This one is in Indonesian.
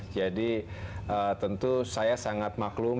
jadi tentu saya sangat maklum